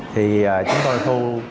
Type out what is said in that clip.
thì chúng tôi thu